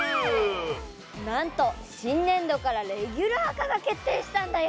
なんとしんねんどからレギュラー化が決定したんだよ！